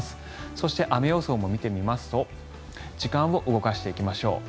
そして、雨予想も見てみますと時間を動かしていきましょう。